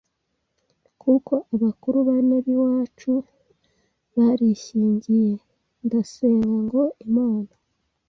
kuko abakuru bane b’iwacu barishyingiye ndasenga ngo Imana